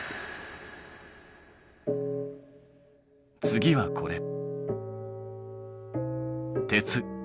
次はこれ。